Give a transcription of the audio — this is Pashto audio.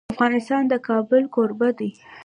افغانستان د کابل کوربه دی.